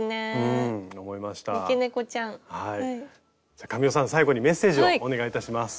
じゃ神尾さん最後にメッセージをお願いいたします。